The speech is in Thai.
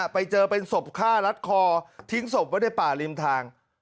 ไปเจอเป็นศพฆ่ารัดคอทิ้งศพไว้ในป่าริมทาง